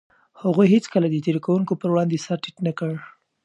هغوی هيڅکله د تېري کوونکو پر وړاندې سر ټيټ نه کړ.